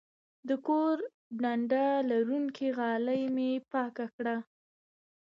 د کور ډنډه لرونکې غالۍ مې پاکه کړه.